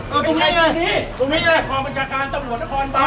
เอ้าตรงนี้ไงตรงนี้ไงความปัญชาการตำรวจและความบ้าน